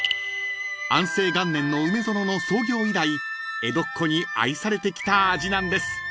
［安政元年の梅園の創業以来江戸っ子に愛されてきた味なんです］